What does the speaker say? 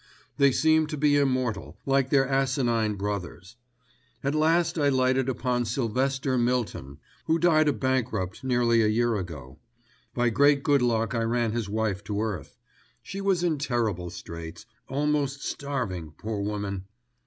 They seem to be immortal, like their asinine brothers. At last I lighted upon Sylvester Mylton, who died a bankrupt nearly a year ago. By great good luck I ran his wife to earth. She was in terrible straits, almost starving, poor woman."